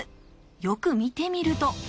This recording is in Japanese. よく見てみると。